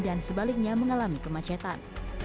dan sebaliknya mengalami kemacetan